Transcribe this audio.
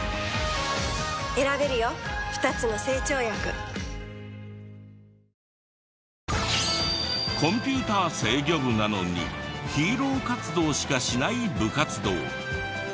最高の渇きにＤＲＹコンピューター制御部なのにヒーロー活動しかしない部活動。